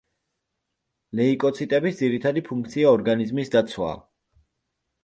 ლეიკოციტების ძირითადი ფუნქცია ორგანიზმის დაცვაა.